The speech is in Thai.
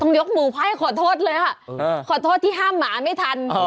ยกมือไพ่ขอโทษเลยค่ะขอโทษที่ห้ามหมาไม่ทัน